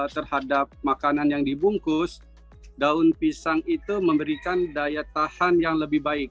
terhadap makanan yang dibungkus daun pisang itu memberikan daya tahan yang lebih baik